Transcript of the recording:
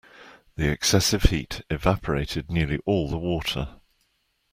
The excessive heat evaporated nearly all the water.